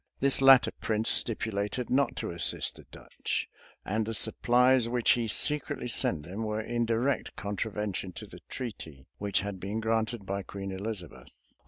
This latter prince stipulated not to assist the Dutch; and the supplies which he secretly sent them were in direct contravention to the treaty.[*] which had been granted by Queen Elizabeth.